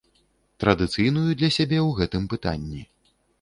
Традыцыйную для сябе ў гэтым пытанні.